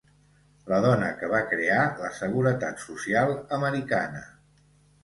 La dona que va crear la seguretat social americana.